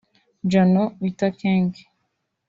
Jannot Witakenge